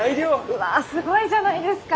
うわすごいじゃないですか。